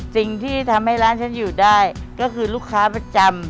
สิ่งที่ทำให้ร้านฉันอยู่ได้ก็คือลูกค้าประจำ